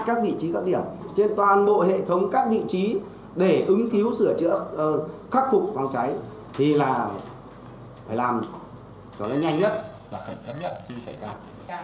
các vị trí các điểm trên toàn bộ hệ thống các vị trí để ứng cứu sửa chữa khắc phục phòng cháy thì là phải làm cho nó nhanh nhất